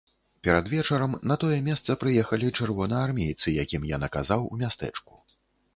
Перад вечарам на тое месца прыехалі чырвонаармейцы, якім я наказаў у мястэчку.